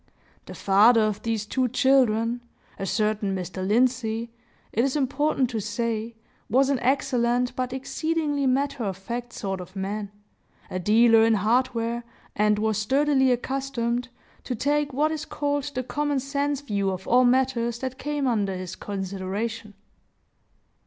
The father of these two children, a certain Mr. Lindsey, it is important to say, was an excellent but exceedingly matter of fact sort of man, a dealer in hardware, and was sturdily accustomed to take what is called the common sense view of all matters that came under his consideration.